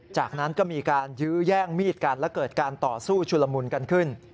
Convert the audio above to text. จากนั้นก็มีการยื้อแย่งมีดกันและเกิดการต่อสู้ชุลมุนกันขึ้น